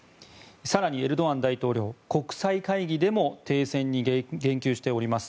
更にエルドアン大統領国際会議でも停戦に言及しております。